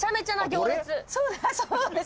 そうです。